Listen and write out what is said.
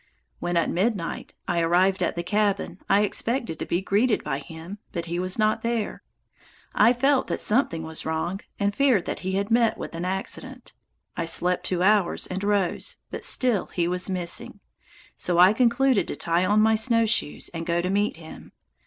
When, at midnight, I arrived at the cabin, I expected to be greeted by him, but he was not there. I felt that something was wrong and feared that he had met with an accident. I slept two hours and rose, but still he was missing, so I concluded to tie on my snowshoes and go to meet him.